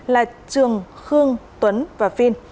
là trường khương tuấn và phi